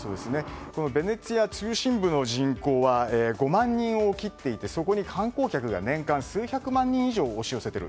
ベネチア中心部の人口は５万人を切っていてそこに観光客が年間数百万人以上が押し寄せている。